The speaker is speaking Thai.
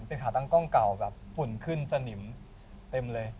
เป็นขาตั้งกล้องเก่าแบบฝุ่นขึ้นสนิมเต็มเลย